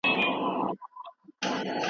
ميرويس خان نيکه څنګه د خپلې خاورې ساتنه وکړه؟